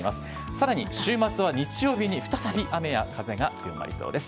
さらに週末は日曜日に再び雨や風が強まりそうです。